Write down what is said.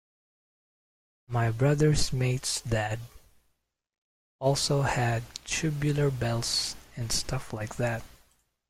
My brother's mate's dad also had "Tubular Bells" and stuff like that.